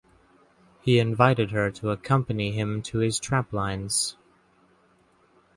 He invited her to accompany him to his traplines.